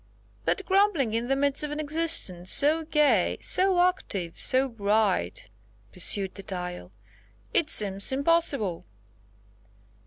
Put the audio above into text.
"But grumbling in the midst of an existence so gay, so active, so bright," pursued the Dial; "it seems impossible."